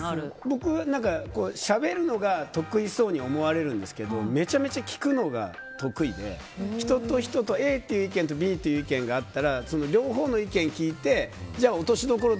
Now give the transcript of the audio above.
僕はしゃべるのが得意そうに思われるんですけどめちゃめちゃ聞くのが得意で人と人と、Ａという意見とＢという意見があったら両方の意見聞いてじゃあ落としどころ